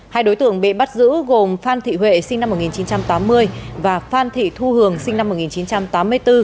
hai đối tượng bị bắt giữ gồm phan thị huệ sinh năm một nghìn chín trăm tám mươi và phan thị thu hường sinh năm một nghìn chín trăm tám mươi bốn